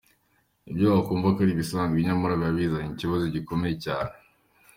Ibyo wakumva ko ari ibisanzwe, nyamara biba bizanye ikibazo gikomeye cyane.